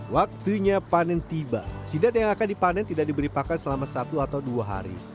waktunya panen tiba sidat yang akan dipanen tidak diberi pakan selama satu atau dua hari